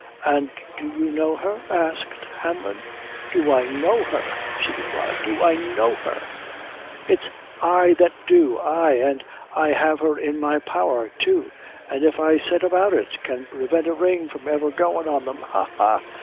"An' do you know her?" asked Hanlon. "Do I know her!" she replied; "do I know her! it's I that do; ay, an' I have her in my power, too; an' if I set about it, can prevent a ring from ever goin' on them. Ha! ha!